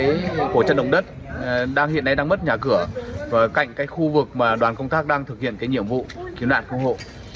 là những nạn nhân của những cái của trận đồng đất đang hiện nay đang mất nhà cửa và cạnh cái khu vực mà đoàn công tác đang thực hiện cái nhiệm vụ kiếm nạn khu hộ